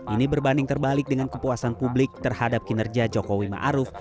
ini berbanding terbalik dengan kepuasan publik terhadap kinerja jokowi ma'aruf